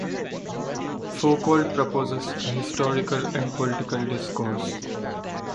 Foucault proposes a "historical and political discourse".